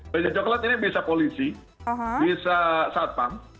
jadi baju coklat ini bisa polisi bisa satpam bisa pns dki